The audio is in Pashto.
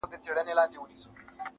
د يويشتمي پېړۍ شپه ده او څه ستا ياد دی,